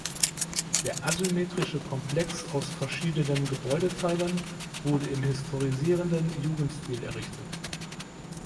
Der asymmetrische Komplex aus verschiedenen Gebäudeteilen wurde im historisierenden Jugendstil errichtet.